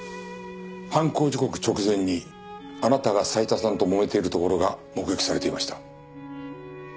犯行時刻直前にあなたが斉田さんともめているところが目撃されていました。